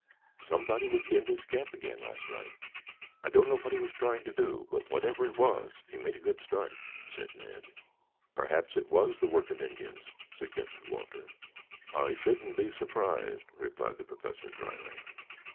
"Somebody was in this camp again last night. I don't know what he was trying to do, but whatever it was, he made a good start," said Ned. "Perhaps it was the work of Indians," suggested Walter. "I shouldn't be surprised," replied the Professor dryly.